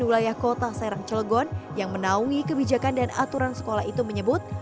wilayah kota serang celegon yang menaungi kebijakan dan aturan sekolah itu menyebut